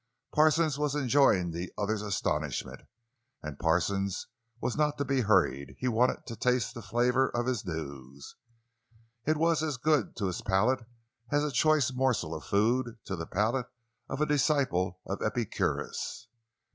Parsons was enjoying the other's astonishment, and Parsons was not to be hurried—he wanted to taste the flavor of his news; it was as good to his palate as a choice morsel of food to the palate of a disciple of Epicurus.